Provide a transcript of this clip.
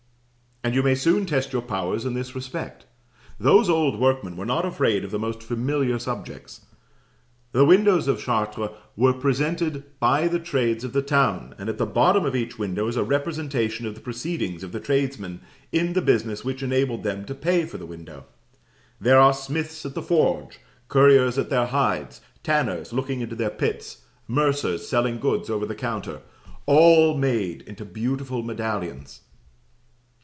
And you may soon test your powers in this respect. Those old workmen were not afraid of the most familiar subjects. The windows of Chartres were presented by the trades of the town, and at the bottom of each window is a representation of the proceedings of the tradesmen at the business which enabled them to pay for the window. There are smiths at the forge, curriers at their hides, tanners looking into their pits, mercers selling goods over the counter all made into beautiful medallions.